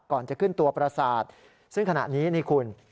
ก่อนจะขึ้นตัวประสาทซึ่งขณะนี้นี่คุณ